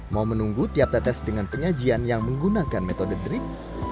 mau menunggu tiap tetes dengan penyajian yang menggunakan metode drift